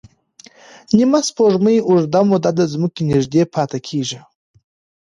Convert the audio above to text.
نیمه سپوږمۍ اوږده موده د ځمکې نږدې پاتې کېږي.